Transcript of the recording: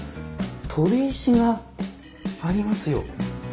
飛び石がありますよ。